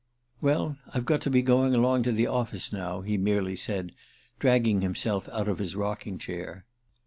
"Well, I've got to be going along to the office now," he merely said, dragging himself out of his rocking chair.